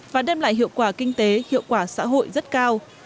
và đem lại hiệu quả kinh tế hiệu quả xã hội rất cao